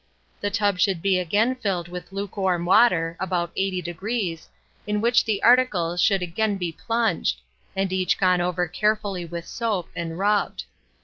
The tub should be again filled with luke warm water, about 80°, in which the articles should again be plunged, and each gone over carefully with soap, and rubbed.